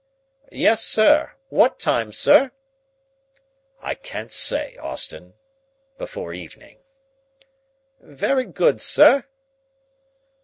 "Yes, sir. What time, sir?" "I can't say, Austin. Before evening." "Very good, sir."